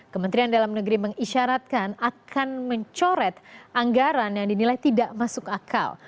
kementerian dalam negeri mengisyaratkan akan mencoret anggaran yang dinilai tidak masuk akal